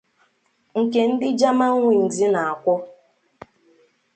nke ndị Germanwings na-akwọ